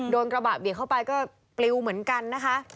กระบะเบียดเข้าไปก็ปลิวเหมือนกันนะคะ